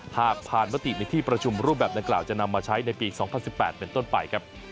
หากผ่านมติในที่ประชุมรูปแบบดังกล่าวจะนำมาใช้ในปี๒๐๑๘เป็นต้นไปครับ